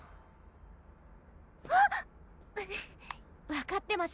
分かってます